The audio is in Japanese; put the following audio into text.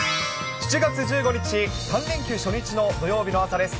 ７月１５日、３連休初日の土曜日の朝です。